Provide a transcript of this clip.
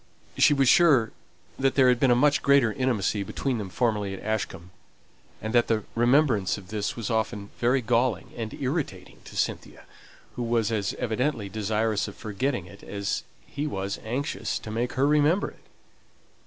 She was sure that there had been a much greater intimacy between them formerly at Ashcombe, and that the remembrance of this was often very galling and irritating to Cynthia, who was as evidently desirous of forgetting it as he was anxious to make her remember it.